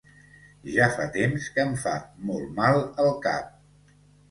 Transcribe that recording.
Ja fa temps que em fa molt mal el cap.